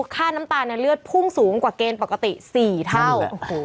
ค่าน้ำตาลเลือดพุ่งสูงกว่าเกณฑ์ปกติ๔เท่า